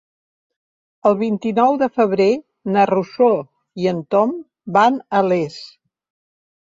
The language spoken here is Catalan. El vint-i-nou de febrer na Rosó i en Tom van a Les.